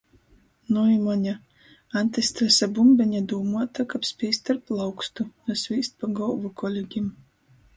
Nui Moņa, antistresa bumbeņa dūmuota, kab spīst ar plaukstu, na svīst pa golvu kolegim!